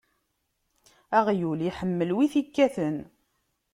Aɣyul iḥemmel win i t-ikkaten.